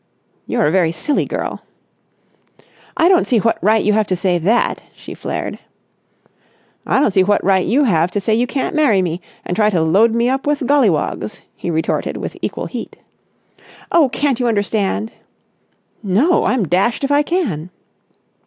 "You're a very silly girl...." "I don't see what right you have to say that," she flared. "I don't see what right you have to say you can't marry me and try to load me up with golliwogs," he retorted with equal heat. "Oh, can't you understand?" "No, I'm dashed if I can."